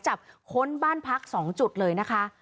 จับคนบ้านพักสองจุดเลยนะคะ